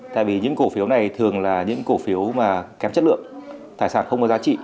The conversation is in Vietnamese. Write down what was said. tại vì những cổ phiếu này thường là những cổ phiếu mà kém chất lượng tài sản không có giá trị